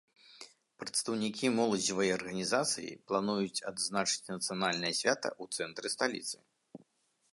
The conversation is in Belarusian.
Прадстаўнікі моладзевай арганізацыі плануюць адзначыць нацыянальнае свята ў цэнтры сталіцы.